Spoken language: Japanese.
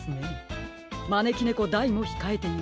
まねきねこ・大もひかえていますし。